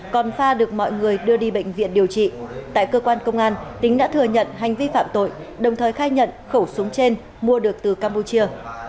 còn pha được mọi người đưa đi bệnh viện điều trị tại cơ quan công an tính đã thừa nhận hành vi phạm tội đồng thời khai nhận khẩu súng trên mua được từ campuchia